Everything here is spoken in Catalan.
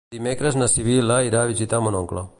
Dimecres na Sibil·la irà a visitar mon oncle.